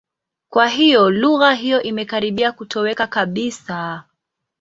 Kwa hiyo lugha hiyo imekaribia kutoweka kabisa.